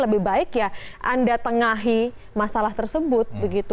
lebih baik ya anda tengahi masalah tersebut